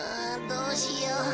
どうしよう